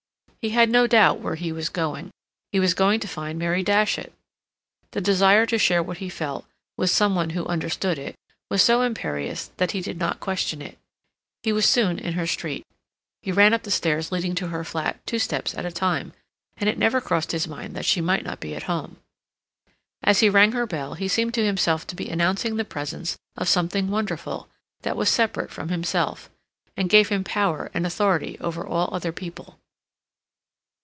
He had no doubt where he was going. He was going to find Mary Datchet. The desire to share what he felt, with some one who understood it, was so imperious that he did not question it. He was soon in her street. He ran up the stairs leading to her flat two steps at a time, and it never crossed his mind that she might not be at home. As he rang her bell, he seemed to himself to be announcing the presence of something wonderful that was separate from himself, and gave him power and authority over all other people.